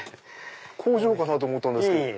工場かなと思ったんですけど。